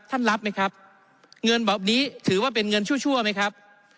รับไหมครับเงินแบบนี้ถือว่าเป็นเงินชั่วไหมครับ